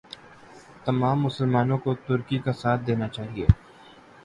تمام مسلمانوں کو ترکی کا ساتھ دینا چاہئے